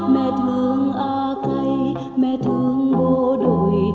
mẹ thương a cây mẹ thương bố đồi